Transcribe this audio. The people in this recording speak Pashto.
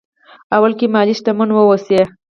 اول کې مالي شتمن واوسي.